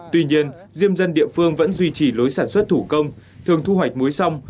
tuy nhiên diêm dân địa phương vẫn duy trì lối sản xuất thủ công thường thu hoạch muối xong